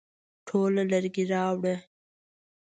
ټوله لرګي راوړه ؟